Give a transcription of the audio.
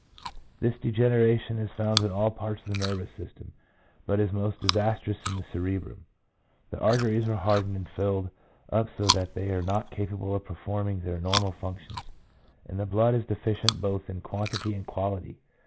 This degeneration is found in all parts of the nervous system, but is most disastrous in the cerebrum. The arteries are hardened and filled up so that they are not capable of performing their normal functions, and the blood is deficient both. in quantity and quality.